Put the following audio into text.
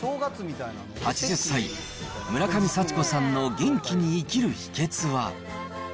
８０歳、村上祥子さんの元気に生きる秘けつは。